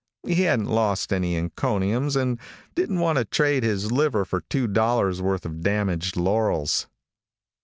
He hadn't lost any encomiums, and didn't want to trade his liver for two dollars' worth of damaged laurels.